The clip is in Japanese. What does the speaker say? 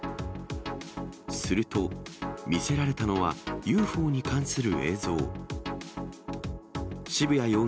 すると、見せられたのはＵＦＯに関する映像。